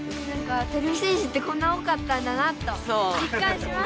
てれび戦士ってこんな多かったんだなとじっかんしました。